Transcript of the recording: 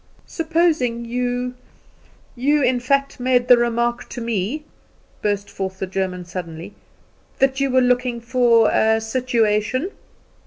"Supposing you you, in fact, made the remark to me," burst forth the German suddenly, "that you were looking for a situation."